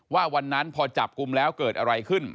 ว่าวันนั้นพอจับกลุ่มแล้วเกิดอะไรขึ้น